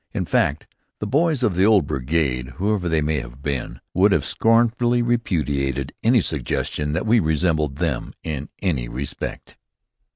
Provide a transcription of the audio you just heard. In fact, "the boys of the old brigade," whoever they may have been, would have scornfully repudiated the suggestion that we resembled them in any respect.